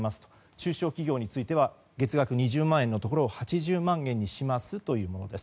中小企業については月額２０万円のところを８０万円にしますというものです。